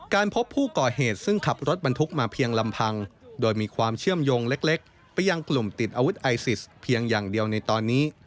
พบผู้ก่อเหตุซึ่งขับรถบรรทุกมาเพียงลำพังโดยมีความเชื่อมโยงเล็กไปยังกลุ่มติดอาวุธไอซิสเพียงอย่างเดียวในตอนนี้